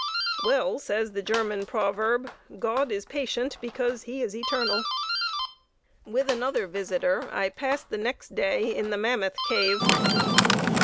Well says the German proverb "God is patient because he is eternal." With another visitor I passed the next day in the Mammoth Cave.